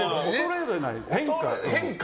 変化。